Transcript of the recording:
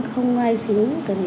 không ai xứng